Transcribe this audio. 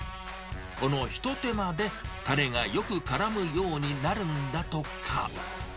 このひと手間で、タレがよくからむようになるんだとか。